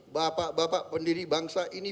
bapak bapak pendiri bangsa ini